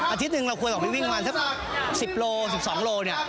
อาทิตย์หนึ่งเราควรจะไปวิ่งวัน๑๐โล๑๒โล